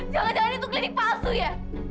jangan jangan itu klinik palsu ya